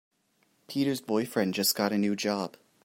Peter's boyfriend just got a new job.